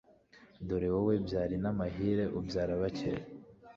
dore wowe byari n'amahire ubyara bacye